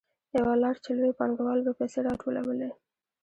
یوه لار چې لویو پانګوالو به پیسې راټولولې